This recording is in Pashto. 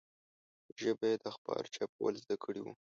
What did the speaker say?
ژبه یې د اخبار چاپول زده کړي وو.